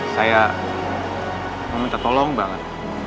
saya meminta tolong banget